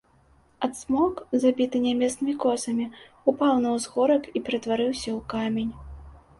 А цмок, забіты нябеснымі косамі, упаў на ўзгорак і ператварыўся ў камень.